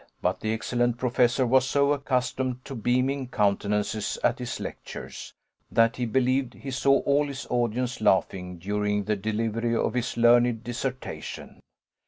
But the excellent Professor was so accustomed to beaming countenances at his lectures, that he believed he saw all his audience laughing during the delivery of his learned dissertation.